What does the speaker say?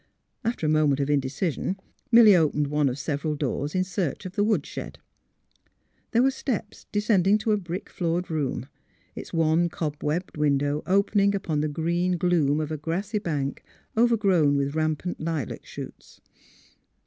After a moment of indecision, Milly opened one of several doors in search of the woodshed. There were steps de scending to a brick floored room, its one cob webbed window opening upon the green gloom of a grassy bank overgrown with rampant lilac shoots.